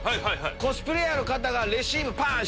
コスプレーヤーの方がレシーブパン！